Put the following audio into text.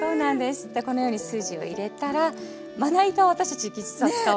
このように筋を入れたらまな板を私たち実は使わない。